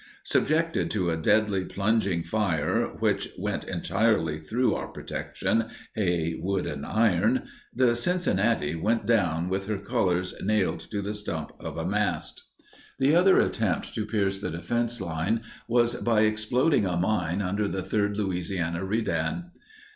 Subjected to a deadly plunging fire which "went entirely through our protection—hay, wood, and iron," the Cincinnati went down with her colors nailed to the stump of a mast. The other attempt to pierce the defense line was by exploding a mine under the Third Louisiana Redan.